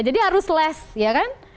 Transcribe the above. jadi harus les ya kan